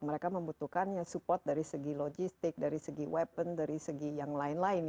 mereka membutuhkan support dari segi logistik dari segi weapon dari segi yang lain lain